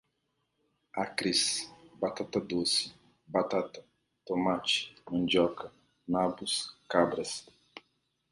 acres, batata-doce, batata, tomate, mandioca, nabos, cabras